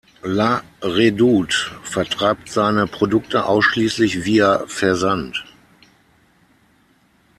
La Redoute vertreibt seine Produkte ausschließlich via Versand.